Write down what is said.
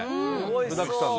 具だくさんで。